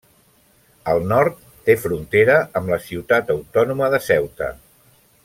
Al nord té frontera amb la ciutat autònoma de Ceuta.